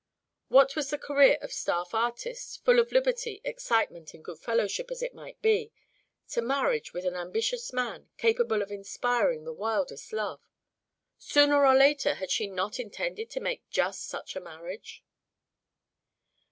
What was the career of staff artist, full of liberty, excitement, and good fellowship as it might be, to marriage with an ambitious man capable of inspiring the wildest love? Sooner or later had she not intended to make just such a marriage?